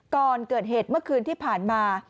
ก่อนเกิดเหตุเมื่อคืนที่ผ่านมา